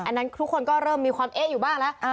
นั้นทุกคนก็เริ่มมีความเอ๊ะอยู่บ้างแล้ว